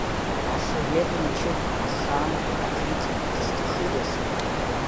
Асовет мчы ахаан акритик дызҭахыдаз?